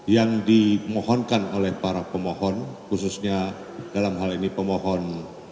yang dimohonkan oleh para pemohon khususnya dalam hal ini pemohon